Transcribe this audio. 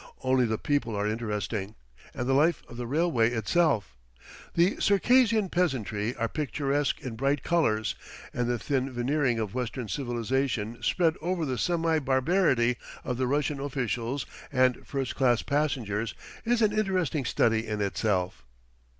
Only the people are interesting, and the life of the railway itself. The Circassian peasantry are picturesque in bright colors, and the thin veneering of Western civilization spread over the semi barbarity of the Russian officials and first class passengers is an interesting study in itself.